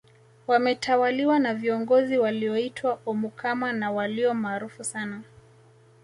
Wametawaliwa na viongozi walioitwa omukama na walio maarufu sana